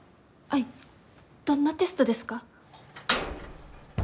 アイどんなテストですか？